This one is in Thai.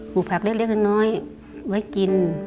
ลูกผักเล็กน้อยไว้กิน